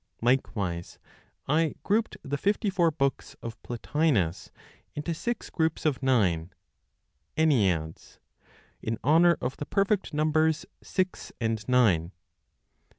Likewise, I grouped the fifty four books of Plotinos into six groups of nine (Enneads), in honor of the perfect numbers six and nine.